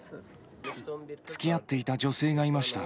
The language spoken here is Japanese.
つきあっていた女性がいました。